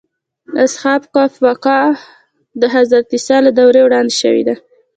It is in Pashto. د اصحاب کهف واقعه د حضرت عیسی له دور وړاندې شوې ده.